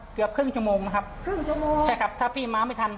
เกือบครึ่งชั่วโมงนะครับครึ่งชั่วโมงใช่ครับถ้าพี่มาไม่ทัน